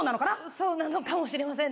そうなのかもしれませんね。